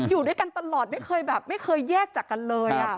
อยู่ด้วยกันตลอดไม่เคยแยกจากกันเลย